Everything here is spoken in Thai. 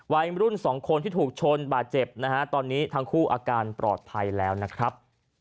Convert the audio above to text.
วัยรุ่นสองคนที่ถูกชนบาดเจ็บนะฮะตอนนี้ทั้งคู่อาการปลอดภัยแล้วนะครับ